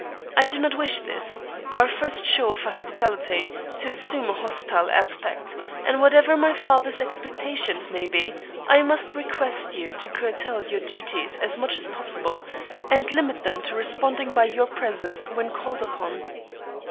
I do not wish this, our first show of hospitality, to assume a hostile aspect, and whatever my father's expectations may be, I must request you to curtail your duties as much as possible and limit them to responding by your presence when called upon."